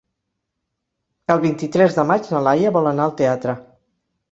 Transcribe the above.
El vint-i-tres de maig na Laia vol anar al teatre.